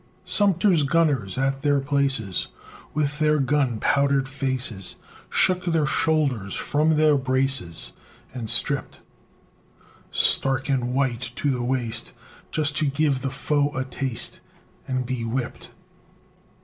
Sumter's gunners at their places, With their gunpowdered faces, Shook their shoulders from their braces, And stripped Stark and white to the waist, Just to give the foe a taste, And be whipped.